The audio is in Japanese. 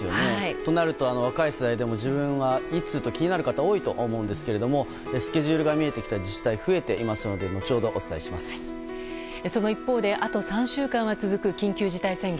となると、若い世代でも自分はいつ？と気になるという方多いと思いますがスケジュールが見えてきた自治体が増えていますのでその一方であと３週間は続く緊急事態宣言。